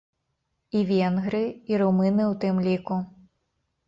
І венгры, і румыны ў тым ліку.